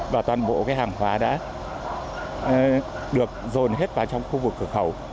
và toàn bộ hàng hóa đã được dồn hết vào trong khu vực cửa khẩu